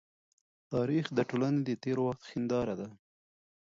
تاریخ د ټولني د تېر وخت هنداره ده.